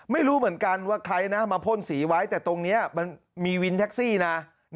ไม่รู้เหมือนกันว่าใครนะมาพ่นสีไว้แต่ตรงนี้มันมีวินแท็กซี่นะ